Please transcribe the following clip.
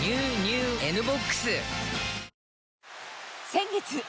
先月。